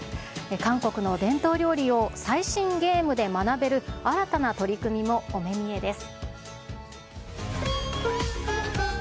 韓国の伝統料理を最新ゲームで学べる、新たな取り組みもお目見えです。